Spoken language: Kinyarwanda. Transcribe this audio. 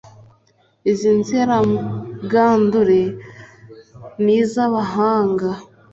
iz'inzirabwandure n'iz'abahanga